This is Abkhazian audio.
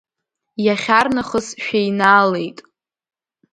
Иахьарнахыс шәеинаалеит.